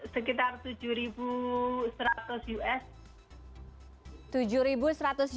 sekitar tujuh seratus us